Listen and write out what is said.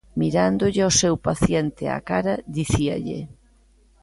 Mirándolle ó seu paciente á cara, dicíalle: